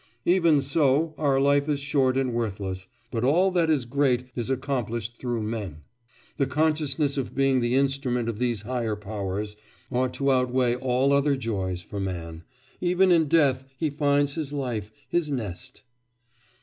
Even so our life is short and worthless; but all that is great is accomplished through men. The consciousness of being the instrument of these higher powers ought to outweigh all other joys for man; even in death he finds his life, his nest.